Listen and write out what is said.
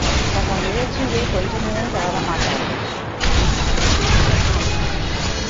தங்கள் முயற்சியிலே கொஞ்சமேனும் தளரமாட்டார்கள்.